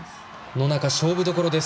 野中、勝負どころ。